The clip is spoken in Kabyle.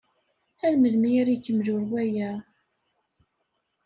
Ar melmi ara ikemmel urway-a?